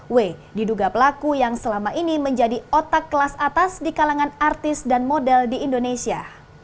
w diduga pelaku yang selama ini menjadi otak kelas atas di kalangan artis dan model di indonesia